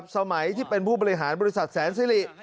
สมัยที่เป็นผู้บริหารบริษัทแสนซิริ